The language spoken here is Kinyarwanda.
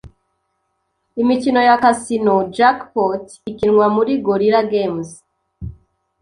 imikino ya Casino Jackpot ikinwa muri Gorilla Games